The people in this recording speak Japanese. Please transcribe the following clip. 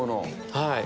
はい。